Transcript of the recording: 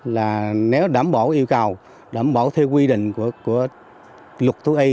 là nếu đảm bảo yêu cầu đảm bảo theo quy định của luật thứ a